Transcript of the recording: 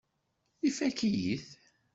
Ifakk-iyi-t.